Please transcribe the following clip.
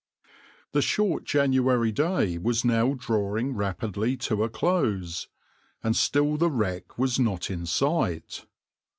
\par The short January day was now drawing rapidly to a close, and still the wreck was not in sight.